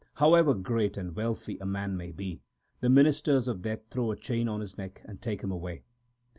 However great and wealthy a man may be, the ministers of Death throw a chain on his neck and take him away.